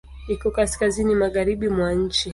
Iko kaskazini magharibi mwa nchi.